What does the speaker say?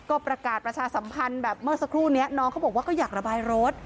ก็ประกาศประชาสัมพันธ์แบบเมื่อสักครู่นี้น้องเขาบอกว่าก็อยากระบายรถ